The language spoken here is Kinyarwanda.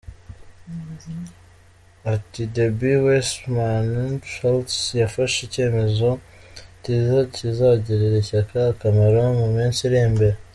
Ati “Debbie Wasserman Schultz yafashe icyemezo kiza kizagirira ishyaka akamaro mu minsi iri imbere.